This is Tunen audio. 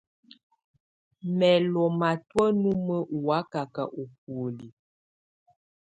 Mɛ̀ lɔ̀ matɔ̀á numǝ́ ɔ̀ wakaka ù bùóli.